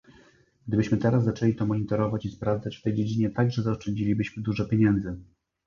Gdybyśmy teraz zaczęli to monitorować i sprawdzać, w tej dziedzinie także zaoszczędzilibyśmy dużo pieniędzy